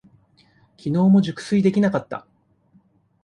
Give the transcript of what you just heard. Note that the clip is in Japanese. きのうも熟睡できなかった。